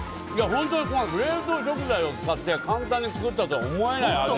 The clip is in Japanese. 冷凍食材を使って簡単に作ったとは思えない味。